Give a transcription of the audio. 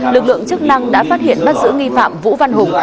lực lượng chức năng đã phát hiện bắt giữ nghi phạm vũ văn hùng